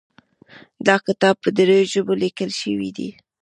دا کتاب په دریو ژبو لیکل شوی ده